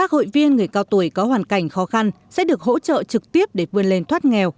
hội viên người cao tuổi có hoàn cảnh khó khăn sẽ được hỗ trợ trực tiếp để vươn lên thoát nghèo